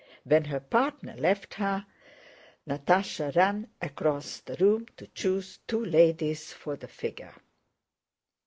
When her partner left her Natásha ran across the room to choose two ladies for the figure.